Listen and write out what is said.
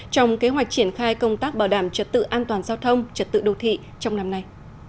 trong kế hoạch triển khai công tác bảo đảm trật tự an toàn giao thông trật tự đô thị trong năm nay